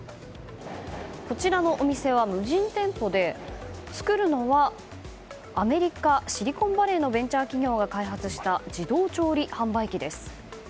こちらのお店は無人店舗で作るのはアメリカ、シリコンバレーのベンチャー企業が開発した自動調理販売機です。